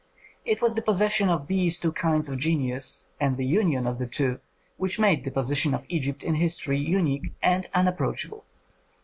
It was the possession of these two kinds of genius and the union of the two which made the position of Egypt in history unique and unapproachable.